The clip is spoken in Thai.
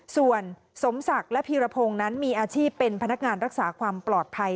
ส่วนสมศักดิ์และพีรพงศ์นั้นมีอาชีพเป็นพนักงานรักษาความปลอดภัย